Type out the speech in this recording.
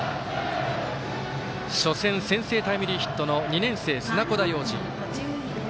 初戦、先制タイムリーヒットの２年生、砂子田陽士。